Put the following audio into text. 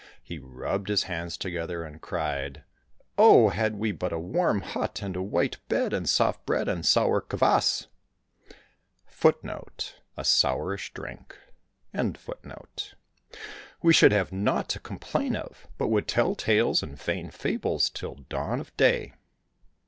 He rubbed his hands together and cried, " Oh, had we but a warm hut, and a white bed, and soft bread, and sour kvas,^ we should have naught to complain of, but would tell tales and feign fables till dawn of day